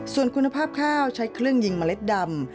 ส่วนคุณภาพข้าวใช้เครื่องยิงเมล็ดดำ